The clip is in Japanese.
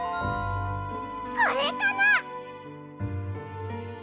これかな？